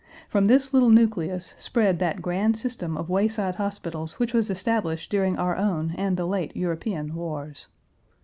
From this little nucleus, spread that grand system of wayside hospitals which was established during our own and the late European wars."